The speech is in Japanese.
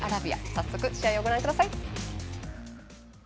早速、試合をご覧ください。